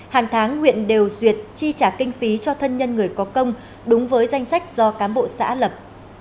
hàng tháng huyện đều duyệt chi trả kinh phí cho thân nhân người có công đúng với danh sách do cán bộ xã lập